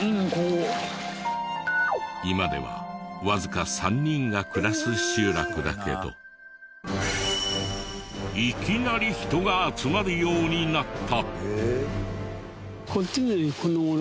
今ではわずか３人が暮らす集落だけどいきなり人が集まるようになった。